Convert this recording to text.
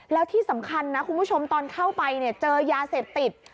แล้วที่สำคัญนะคุณผู้ชมตอนเข้าไปเนี่ยเจอยาเสพติด